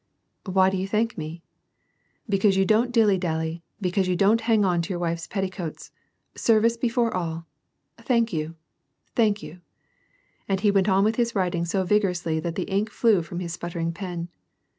" Why do you thank me ?" "Because you don't dilly dally, because you don't hang on to your wife's petticoats. Service before all! Thank you! thank you !" And he went on with his writing so vigorously that the ink flew from his sputtering pen.